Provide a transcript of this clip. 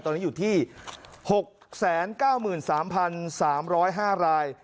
ตอนนี้อยู่ที่๖๙๓๓๐๕ราย